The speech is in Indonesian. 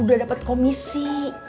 udah dapat komisi